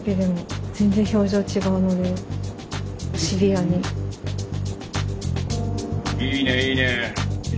「いいねいいね」。